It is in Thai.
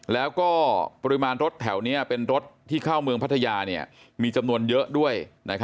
แล้วก็ปริมาณรถแถวนี้เป็นรถที่เข้าเมืองพัทยามีจำนวนเยอะด้วย